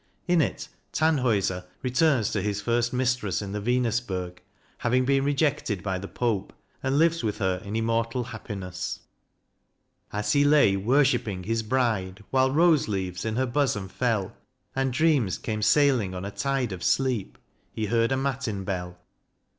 In it Tannhauser returns to his first mistress in the Venusberg, having been rejected by the Pope, and lives with her in immortal happiness : As he lay worshipping his bride While rose leaves in her bosom fell, And dreams came sailing on a tide Of sleep, he heard a matin bell.